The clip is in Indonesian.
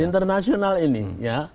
international ini ya